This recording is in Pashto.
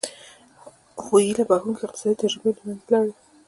خو هیله بښوونکې اقتصادي تجربې له منځه لاړې.